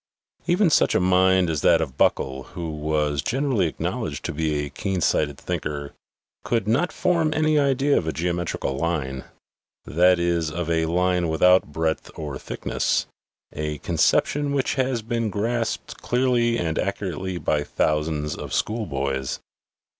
Even such a mind as that of Buckle/ who was generally acknowledged to be a keen sighted thinker, could not form any idea of a geometrical line that is, of a line without breadth or thickness, a conception which has been grasped clearly and accurately by thousands of school boys.